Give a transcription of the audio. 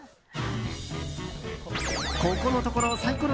ここのところサイコロ